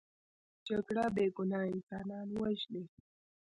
جګړه بې ګناه انسانان وژني